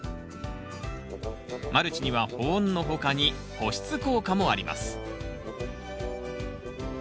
マルチには保温の他に保湿効果もあります